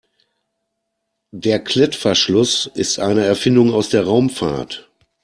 Der Klettverschluss ist eine Erfindung aus der Raumfahrt.